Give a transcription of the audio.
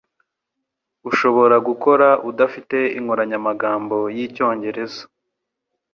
Ushobora gukora udafite inkoranyamagambo y'Icyongereza?